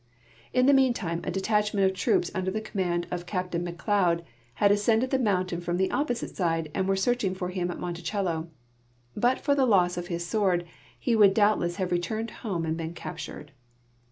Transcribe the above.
In the meantime a detachment of troo{)S under the command of Captain MacLeod had ascended the mountain from the opposite side and were searching for him at Monticello; but for the loss of his sword he would doubtless nave returned home and been captured.